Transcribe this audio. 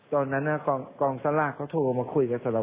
หมายถึงว่ากลางมุมเขาเรียกเราใช่ไหม